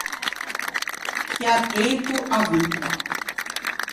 Chi à tempo à vitta.